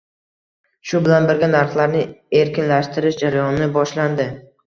Shu bilan birga, narxlarni erkinlashtirish jarayoni boshlandi